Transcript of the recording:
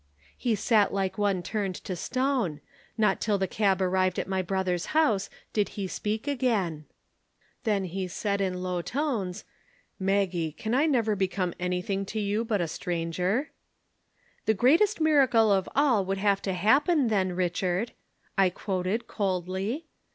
"He sat like one turned to stone. Not till the cab arrived at my brother's house did he speak again. [Illustration: The Old Maid arrives.] "Then he said in low tones: 'Maggie, can I never become anything to you but a stranger?' "'The greatest miracle of all would have to happen then, Richard,' I quoted coldly.